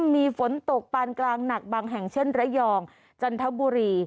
มีฝนตกปานกลางหนักบางแห่งเช่นระยองจันทบุรี